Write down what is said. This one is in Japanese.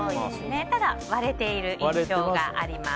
ただ割れている印象があります。